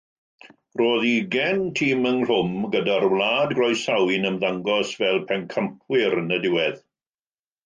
Roedd ugain tîm ynghlwm, gyda'r wlad groesawu'n ymddangos fel pencampwyr yn y diwedd.